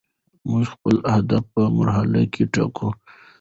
موږ خپل اهداف په مرحله کې ټاکو.